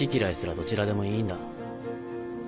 どちらでもいいんだ。